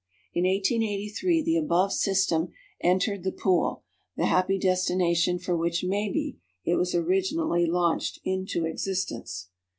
In 1883 the above system entered the "Pool" the happy destination for which, maybe, it was originally launched into existence.